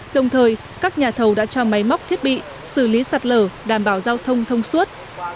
đồng thời các nhà thầu đã cho máy móc thiết bị xử lý sạt lở đảm bảo giao thông thông suốt